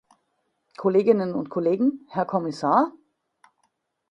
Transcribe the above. Kolleginnen und Kollegen, Herr Kommissar!